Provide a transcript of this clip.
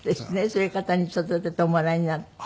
そういう方に育てておもらいになって。